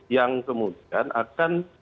yang kemudian akan